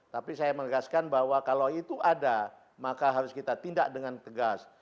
tapi saya menegaskan bahwa kalau itu ada maka harus kita tindak dengan tegas